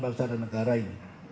bangsa dan negara ini